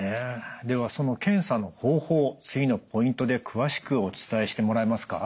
ではその検査の方法を次のポイントで詳しくお伝えしてもらえますか？